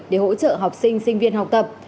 để hỗ trợ học sinh sinh viên học tập